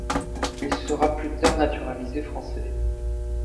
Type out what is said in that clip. Il sera plus tard naturalisé français.